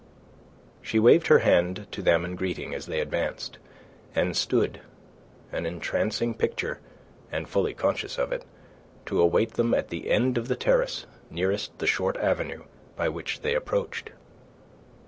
She waved her hand to them in greeting as they advanced, and stood an entrancing picture, and fully conscious of it to await them at the end of the terrace nearest the short avenue by which they approached.